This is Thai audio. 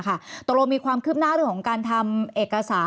ตรงนี้มีความคืบหน้าของการทำเอกสาร